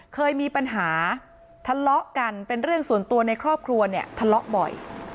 เคยมีปัญหาทะเลาะกันเป็นเรื่องส่วนตัวในครอบครัวเนี่ยทะเลาะบ่อย